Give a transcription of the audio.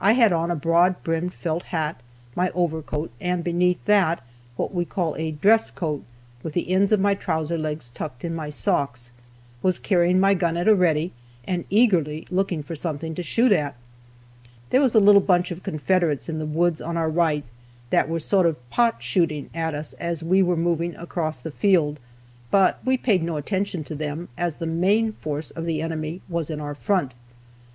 I had on a broad brimmed felt hat, my overcoat, and beneath that what we called a "dress coat," with the ends of my trouser legs tucked in my socks; was carrying my gun at a ready, and eagerly looking for something to shoot at. There was a little bunch of Confederates in the woods on our right that were sort of "pot shooting" at us as we were moving across the field, but we paid no attention to them, as the main force of the enemy was in our front.